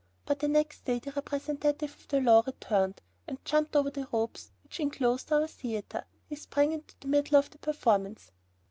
But the next day the representative of the law returned, and jumping over the ropes which inclosed our theater, he sprang into the middle of the performance.